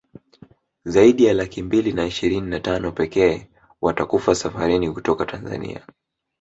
zaidi ya laki mbili na ishirini na tano pekee watakufa safarini kutoka Tanzania